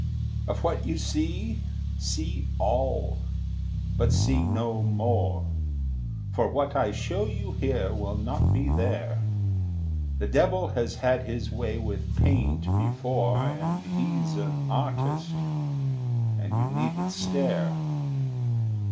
Of what you see, see all, but see no more; For what I show you here will not be there. The devil has had his way with paint before, And he's an artist, and you needn't stare.